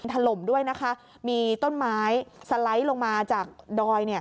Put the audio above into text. ถล่มด้วยนะคะมีต้นไม้สไลด์ลงมาจากดอย